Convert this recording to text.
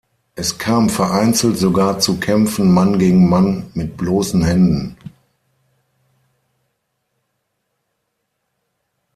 Es kam vereinzelt sogar zu Kämpfen „Mann gegen Mann“ mit bloßen Händen.